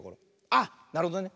あっなるほどね。